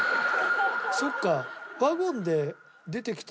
そっか。